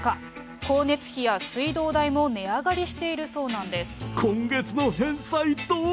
光熱費や水道代も値上がりしているそうなんです。